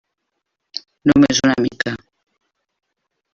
Només una mica.